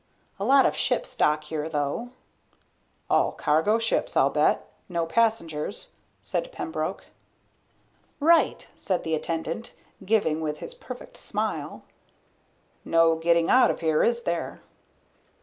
A lot of ships dock here, though." "All cargo ships, I'll bet. No passengers," said Pembroke. "Right," said the attendant, giving with his perfect smile. "No getting out of here, is there?"